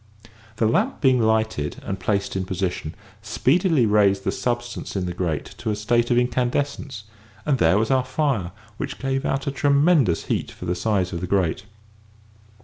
The lamp being lighted and placed in position, speedily raised the substance in the grate to a state of incandescence, and there was our fire, which gave out a tremendous heat for the size of the grate.